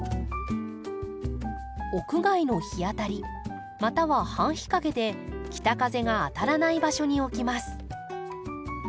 屋外の日当たりまたは半日陰で北風が当たらない場所に置きます。